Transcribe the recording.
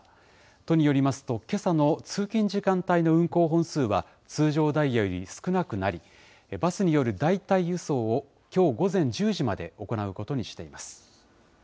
都によりますと、けさの通勤時間帯の運行本数は、通常ダイヤより少なくなり、バスによる代替輸送をきょう午前１０時まで行うことにしています。